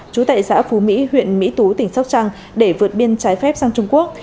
trú tại xã phú mỹ huyện mỹ tú tỉnh sóc trăng để vượt biên trái phép sang trung quốc